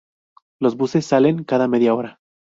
Los buses salen cada media hora.